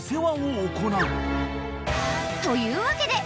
［というわけで］